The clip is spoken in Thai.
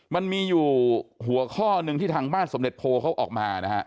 มันมีอยู่หัวข้อหนึ่งที่ทางบ้านสมเด็จโพเขาออกมานะฮะ